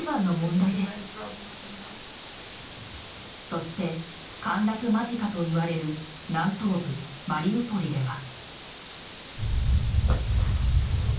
そして、陥落間近といわれる南東部マリウポリでは。